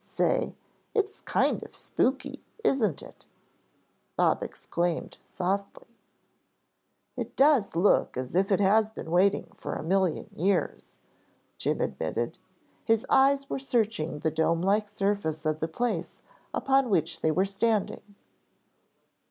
Say, it's kind of spooky, isn't it!" Bob exclaimed softly. "It does look as if it has been waiting for a million years," Jim admitted. His eyes were searching the dome like surface of the place upon which they were standing.